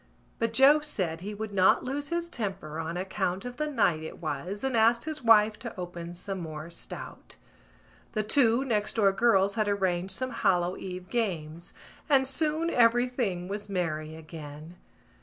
But Joe said he would not lose his temper on account of the night it was and asked his wife to open some more stout. The two next door girls had arranged some Hallow Eve games and soon everything was merry again.